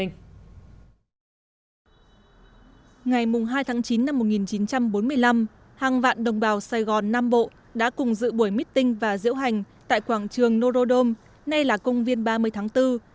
ngày hai tháng chín năm một nghìn chín trăm bốn mươi năm hàng vạn đồng bào sài gòn nam bộ đã cùng dự buổi meeting và diễu hành tại quảng trường norodom nay là công viên ba mươi tháng bốn